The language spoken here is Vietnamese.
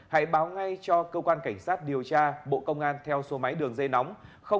hãy báo ngay cho cơ quan cảnh sát điều tra bộ công an theo số máy đường dây nóng